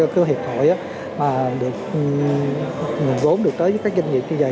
của hiệp hội mà được nguồn vốn được tới với các doanh nghiệp như vậy